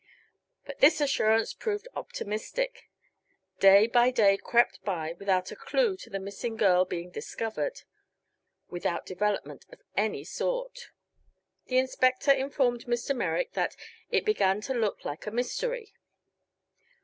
But this assurance proved optimistic. Day by day crept by without a clew to the missing girl being discovered; without development of any sort. The Inspector informed Mr. Merrick that "it began to look like a mystery."